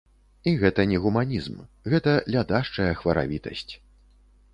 І гэта не гуманізм, гэта лядашчая хваравітасць.